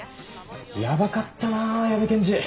やばかったなあ矢部検事。